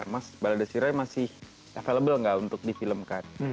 mas balade sira masih available nggak untuk difilmkan